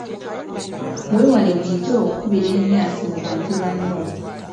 Weewale bulijjo okukubira emyasi mu bantu banno.